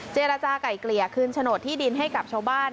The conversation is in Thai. เจรจาก่ายเกลี่ยคืนโฉนดที่ดินให้กับชาวบ้าน